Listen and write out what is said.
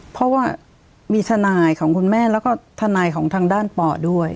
เพราะว่ามีทนายของคุณแม่แล้วก็ทนายของทางด้านป่อด้วย